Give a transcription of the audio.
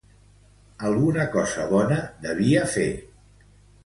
Alguna cosa bona devia fer.